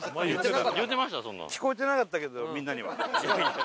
聞こえてなかったけどみんなには。